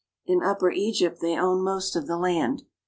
In Upper Egypt they own most of the land.